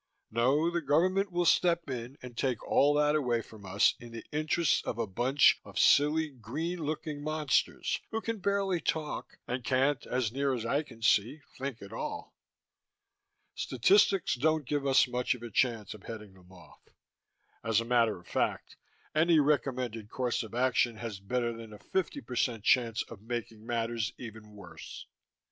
No, the Government will step in and take all that away from us in the interests of a bunch of silly green looking monsters who can barely talk and can't, as near as I can see, think at all. Statistics doesn't give us much of a chance of heading them off. As a matter of fact, any recommended course of action has better than a 50% chance of making matters even worse.